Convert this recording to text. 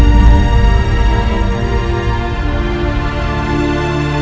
mereka tidak peduli